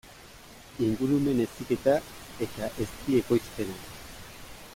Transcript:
Ingurumen heziketa eta ezti ekoizpena.